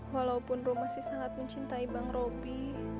walaupun rumi masih sangat mencintai bang robby